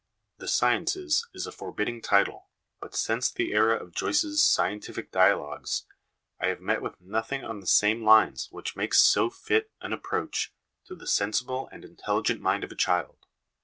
The Sciences is a forbidding title, but since the era of Joyce's Scientific Dialogues I have met with nothing on the same lines which makes so fit an ap proach to the sensible and intelligent mind of a child.